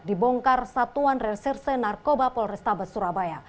dibongkar satuan reserse narkoba polrestabes surabaya